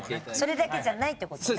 それだけじゃないって事ね。